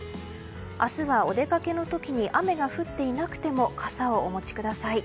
明日は、お出かけの時に雨が降っていなくても傘をお持ちください。